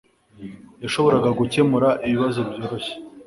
Yashoboraga gukemura ikibazo byoroshye